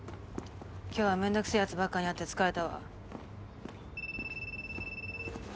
今日はめんどくせぇやつばっかに会って疲れたわ。